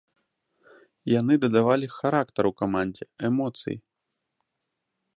Яны дадавалі характару камандзе, эмоцыі.